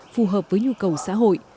phù hợp với nhu cầu xã hội